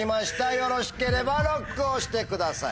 よろしければＬＯＣＫを押してください。